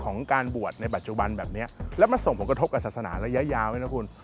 ของการบวชในปัจจุบันแบบนี้แล้วมันส่งผลกระทบกับศาสนาระยะยาวด้วยนะคุณ